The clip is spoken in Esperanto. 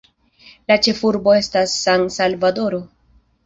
La ĉefurbo estas San-Salvadoro.